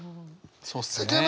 そうっすね。